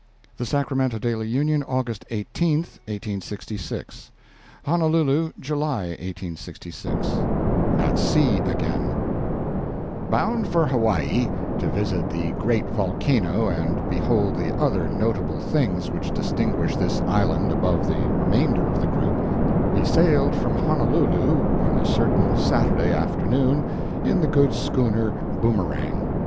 The Sacramento Daily Union, August 18, 1866 Honolulu, July, 1866 AT SEA AGAIN Bound for Hawaii, to visit the great volcano and behold the other notable things which distinguish this island above the remainder of the group, we sailed from Honolulu on a certain Saturday afternoon, in the good schooner Boomerang.